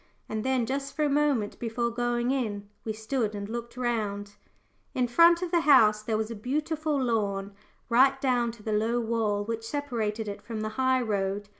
And then, just for a moment before going in, we stood and looked round. In front of the house there was a beautiful lawn, right down to the low wall which separated it from the high road.